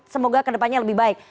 semoga ke depannya lebih baik